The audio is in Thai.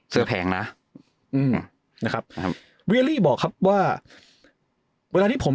เสื้อแพงน่ะอืมนะครับนะครับวีเอลี่บอกครับว่าเวลาที่ผม